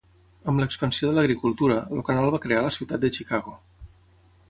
Amb l'expansió de l'agricultura, el canal va crear la ciutat de Chicago.